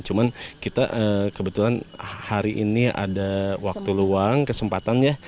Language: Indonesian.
cuman kita kebetulan hari ini ada waktu luang kesempatannya